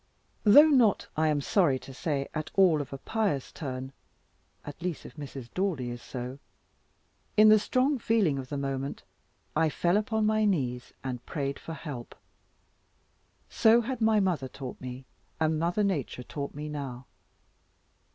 Though not, I am sorry to say, at all of a pious turn (at least if Mrs. Daldy is so), in the strong feeling of the moment, I fell upon my knees, and prayed for help. So had my mother taught me, and Mother Nature taught me now.